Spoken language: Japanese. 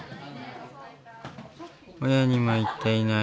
親にも言っていない